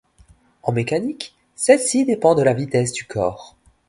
En mécanique, celle-ci dépend de la vitesse du corps.